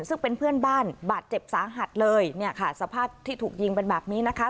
ซึ่งเป็นเพื่อนบ้านบาดเจ็บสาหัสเลยเนี่ยค่ะสภาพที่ถูกยิงเป็นแบบนี้นะคะ